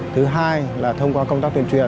thứ hai là thông qua công tác tuyên truyền